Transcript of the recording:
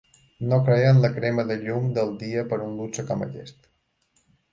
No creia en la crema de llum del dia per un luxe com aquest.